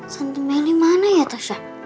santum ini mana ya tasya